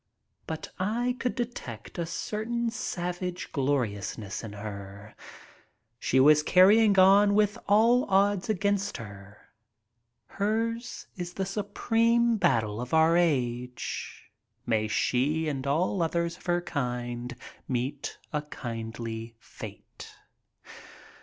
But I could detect a certain savage gloriousness in her. She was carrying on with all odds against her. Hers is the supreme battle of our age. May she and all others of her kind meet a kindly fate.